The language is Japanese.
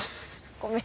ごめん。